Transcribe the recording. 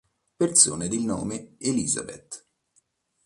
Persone di nome Elizabeth